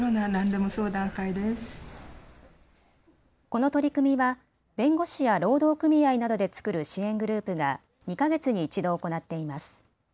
この取り組みは弁護士や労働組合などで作る支援グループが２か月に１度行っています。